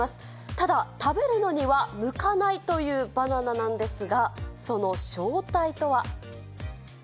ただ、食べるのには向かないというバナナなんですが、その正体とは。